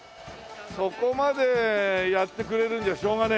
そこまでやってくれるんじゃしょうがねえな。